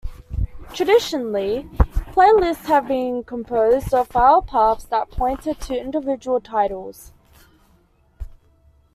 Traditionally playlists have been composed of file paths that pointed to individual titles.